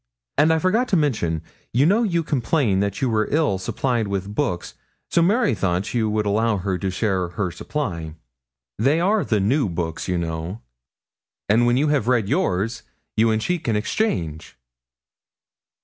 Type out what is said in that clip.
And I forgot to mention you know you complained that you were ill supplied with books, so Mary thought you would allow her to share her supply they are the new books, you know and when you have read yours, you and she can exchange.'